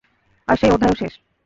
আর সেই অধ্যায়ও শেষ।